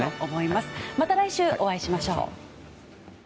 また、来週お会いしましょう。